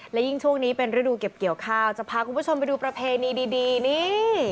และยิ่งช่วงนี้เป็นฤดูเก็บเกี่ยวข้าวจะพาคุณผู้ชมไปดูประเพณีดีนี่